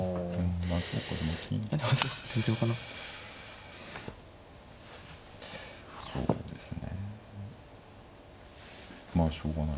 まあそうですね。